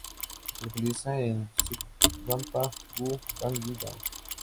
Se localiza en Songpa-gu, Bangi-dong.